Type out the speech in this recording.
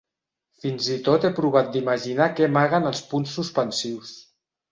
Fins i tot he provat d'imaginar què amaguen els punts suspensius...